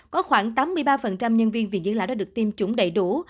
có khoảng tám mươi ba nhân viên viện dưỡng lão đã được tiêm chủng đầy đủ